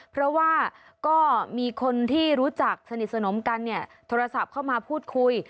เพราะว่าก็มีคนที่รู้จักสนิทสนมกันเนี่ยโทรศัพท์เข้ามาพูดคุย